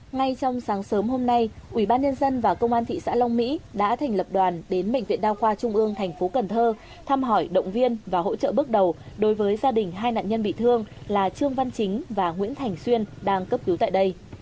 ngay trong sáng sớm hôm nay ubnd và công an thị xã long mỹ đã thành lập đoàn đến bệnh viện đa khoa trung ương thành phố cần thơ thăm hỏi động viên và hỗ trợ bước đầu đối với gia đình hai nạn nhân bị thương là trương văn chính và nguyễn thành xuyên đang cấp cứu tại đây